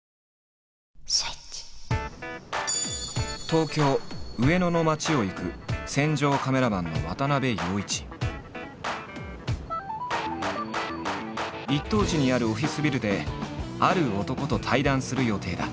東京上野の街を行く一等地にあるオフィスビルである男と対談する予定だ。